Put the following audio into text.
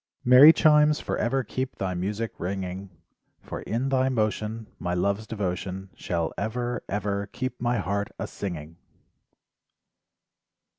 Merry chimes forever keep thy music ringing For in thy motion My love's devotion Shall ever, ever keep my heart a singing.